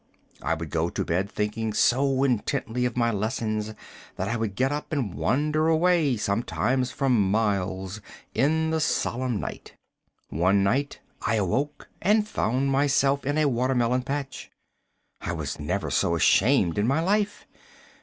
I would go to bed thinking so intently of my lessons that I would get up and wander away, sometimes for miles, in the solemn night. One night I awoke and found myself in a watermelon patch. I was never so ashamed in my life.